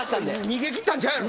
逃げ切ったんちゃうやろな？